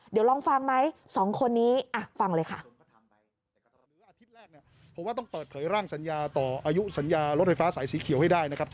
เดี๋ยวลองฟังไหม๒คนนี้ฟังเลยค่ะ